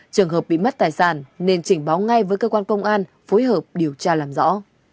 trường hợp bị mất tài sản nên trình báo ngay với cơ quan công an phối hợp điều tra làm rõ